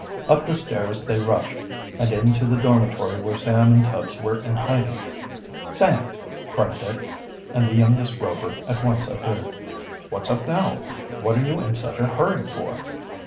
Up the stairs they rushed, and into the dormitory where Sam and Tubbs were in hiding. "Sam!" called Dick, and the youngest Rover at once appeared. "What's up now? What are you in such a hurry for?"